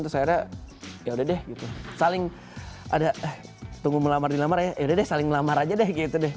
terus akhirnya yaudah deh gitu saling ada tunggu melamar dilamar ya yaudah deh saling melamar aja deh gitu deh